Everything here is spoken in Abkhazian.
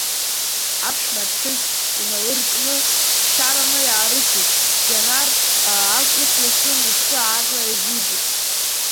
Аԥшәма ԥҳәыс иналыркны, ччараны иаарысит, Џьанар ак ихәласын, иԥсы аарла еивигеит.